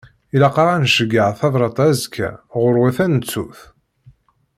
Ilaq-aɣ ad nceyyeε tabrat-a azekka, ɣurwat ad nettut.